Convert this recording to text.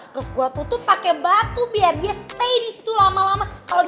terus gue tutup pake batu biar dia stay disitu lama lama